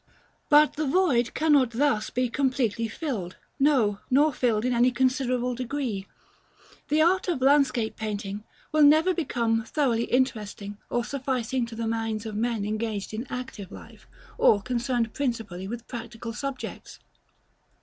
§ XXXIV. But the void cannot thus be completely filled; no, nor filled in any considerable degree. The art of landscape painting will never become thoroughly interesting or sufficing to the minds of men engaged in active life, or concerned principally with practical subjects.